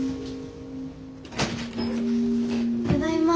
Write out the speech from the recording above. ただいま。